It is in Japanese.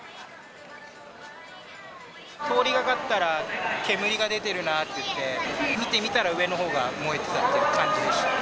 通りがかったら、煙が出てるなっていって、見てみたら、上のほうが燃えてたっていう感じでした。